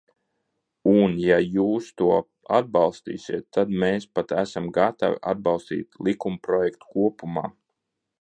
Un, ja jūs to atbalstīsiet, tad mēs pat esam gatavi atbalstīt likumprojektu kopumā.